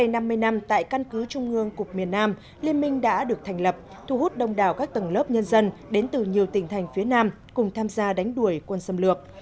trong năm mươi năm tại căn cứ trung ương cục miền nam liên minh đã được thành lập thu hút đông đảo các tầng lớp nhân dân đến từ nhiều tỉnh thành phía nam cùng tham gia đánh đuổi quân xâm lược